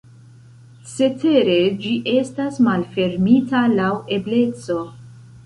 Cetere ĝi estas malfermita laŭ ebleco.